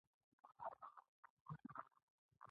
تر یو څو دقیقې مزل وروسته یوه شل فوټه لوړي ودانۍ ته ورسیدم.